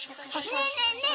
ねえねえねえ。